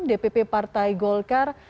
dpp partai golkar